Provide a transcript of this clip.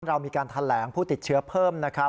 เรามีการแถลงผู้ติดเชื้อเพิ่มนะครับ